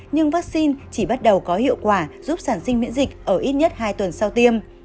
nhưng vaccine chỉ bắt đầu có hiệu quả giúp sản sinh miễn dịch ở ít nhất hai tuần sau tiêm